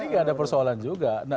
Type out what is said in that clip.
ini gak ada persoalan juga